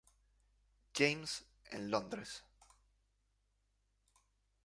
James's, en Londres.